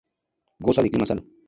Goza de clima sano.